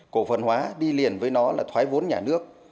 cổ phần hóa đi liền với nó là thoái vốn nhà nước